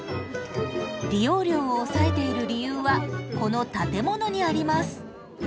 利用料を抑えている理由はこの建物にあります。